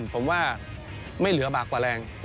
ผมว่าไม่เหลือบากกว่าแรง